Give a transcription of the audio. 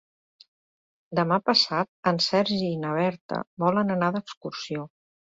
Demà passat en Sergi i na Berta volen anar d'excursió.